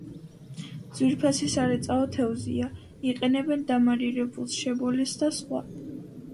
ძვირფასი სარეწაო თევზია; იყენებენ დამარილებულს, შებოლილს და სხვა.